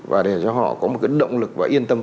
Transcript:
và để cho họ có một cái động lực và yên tâm